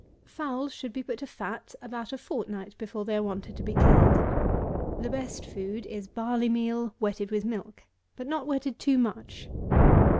Fowls should be put to fat about a fortnight before they are wanted to be killed. The best food is barley meal wetted with milk, but not wetted too much.